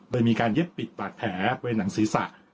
โดยมีการเย็บปิดบาดแผลบริเวณหนังศีรษะ